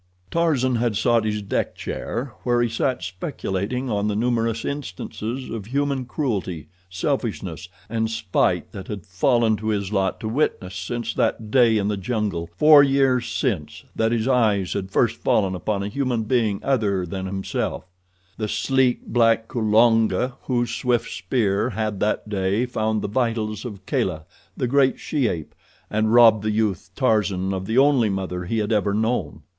Tarzan had sought his deck chair, where he sat speculating on the numerous instances of human cruelty, selfishness, and spite that had fallen to his lot to witness since that day in the jungle four years since that his eyes had first fallen upon a human being other than himself—the sleek, black Kulonga, whose swift spear had that day found the vitals of Kala, the great she ape, and robbed the youth, Tarzan, of the only mother he had ever known.